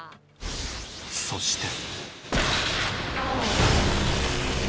そして。